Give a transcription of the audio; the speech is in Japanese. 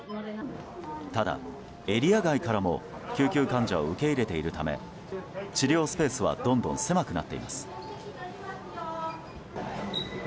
ただ、エリア外からも救急患者を受け入れているため治療スペースはどんどん狭くなっています。